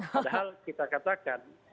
padahal kita katakan